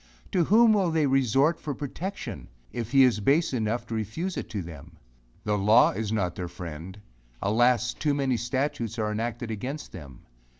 To whom will they resort for protection, if he is base enough to refuse it to them? The law is not their friend; alas! too many statutes are enacted against them.